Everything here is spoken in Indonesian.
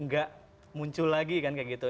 gak muncul lagi kan kayak gitu